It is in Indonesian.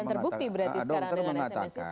yang terbukti berarti sekarang dengan sms itu